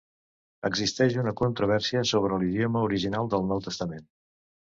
Existeix una controvèrsia sobre l'idioma original del Nou Testament.